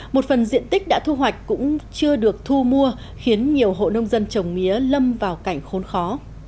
một phần diện tích đã thu hoạch cũng chưa được thu mua khiến nhiều hộ nông dân trồng mía lâm vào cảnh khốn khó